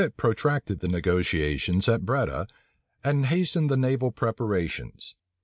De Wit protracted the negotiations at Breda, and hastened the naval preparations.